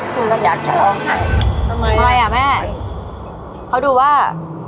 หมายอ่ะแม่เขาดูว่า